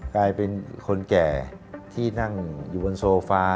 กลายเป็นคนแก่ที่นั่งอยู่บนโซฟา